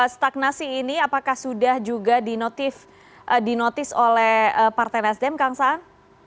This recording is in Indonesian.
stagnasi ini apakah sudah juga dinotis oleh partai nasdem kang saan